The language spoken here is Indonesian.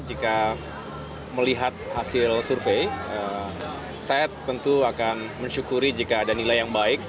jika melihat hasil survei saya tentu akan mensyukuri jika ada nilai yang baik